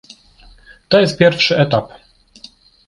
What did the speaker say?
To jest pierwszy etap